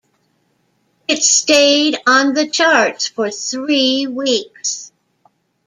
It stayed on the charts for three weeks.